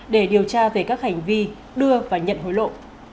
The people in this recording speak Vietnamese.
để điều tra về các hành vi đưa và nhận hối lộ